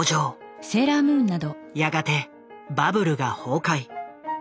やがてバブルが崩壊。